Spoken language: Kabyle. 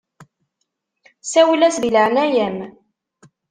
Sawel-as di leɛnaya-m.